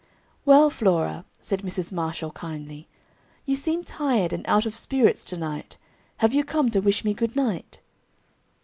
"Well, Flora," said Mrs. Marshall kindly, "you seem tired and out of spirits to night; have you come to wish me good night?"